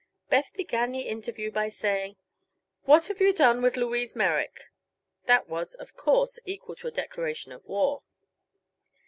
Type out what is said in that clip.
Beth began the interview by saying: "What have you done with Louise Merrick?" That was, of course, equal to a declaration of war.